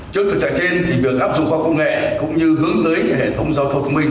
trước thực trạng trên việc áp dụng khoa học công nghệ cũng như hướng tới hệ thống giao thông thông minh